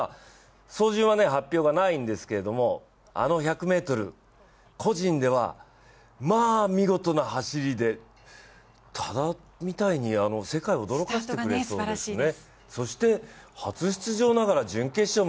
走順はま発表がないんですけどあの１００ｍ、個人では、まあ見事な走りで、多田みたいに世界を驚かせてくれそうですよね。